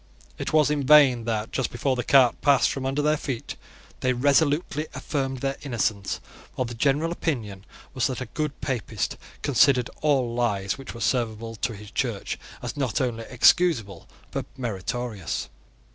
It was in vain that, just before the cart passed from under their feet, they resolutely affirmed their innocence: for the general opinion was that a good Papist considered all lies which were serviceable to his Church as not only excusable but meritorious.